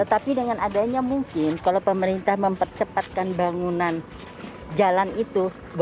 tetapi dengan adanya mungkin kalau pemerintah mempercepatkan bangunan jalan itu